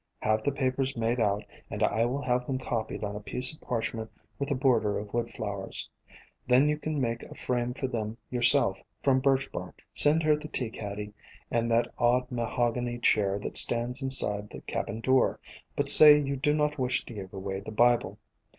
"Have the papers made out and I will have them copied on a piece of parchment with a border of wood flowers. Then you can make a frame for them yourself from 266 A COMPOSITE FAMILY I* birch bark. Send her the tea caddy and that odd mahogany chair that stands inside the cabin door, but say you do not wish to give away the Bible.